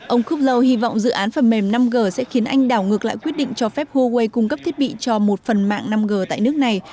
ông kuplow hy vọng dự án phần mềm năm g sẽ khiến anh đảo ngược lại quyết định cho phép huawei cung cấp thiết bị cho một phần mạng năm g tại nước này